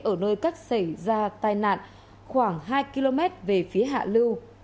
ở nơi cách xảy ra tai nạn khoảng hai km về phía hạ lưu